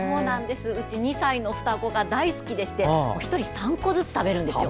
うち、２歳の双子が大好きでして１人３個ずつ食べるんですよ。